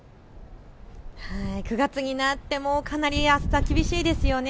９月になってもかなり暑さ厳しいですよね。